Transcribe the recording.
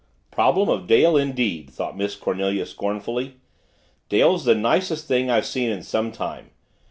"Problem of Dale, indeed!" thought Miss Cornelia scornfully. "Dale's the nicest thing I've seen in some time.